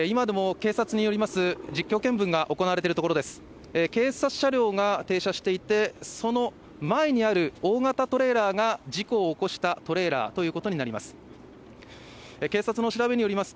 警察車両が停車していて、その前にある大型トレーラーが、事故を起こしたトレーラーということになります。